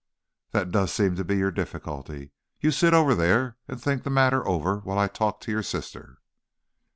"That does seem to be your difficulty. You sit over there and think the matter over, while I talk to your sister."